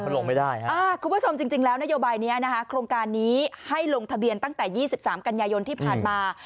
คุณผู้ชมจริงนโยบายนี้โครงการนี้ให้ลงทะเบียนตั้งแต่๒๓กัญญาโยนที่ผ่านมา